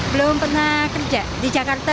belum pernah kerja di jakarta